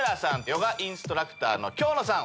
ヨガインストラクターの京乃さん